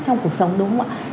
trong cuộc sống đúng không ạ